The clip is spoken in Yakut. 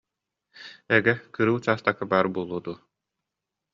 Эгэ, кырыы учаастакка баар буолуо дуо